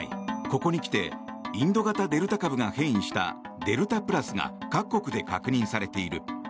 ここに来てインド型デルタ株が変異したデルタプラスが各国で確認されている。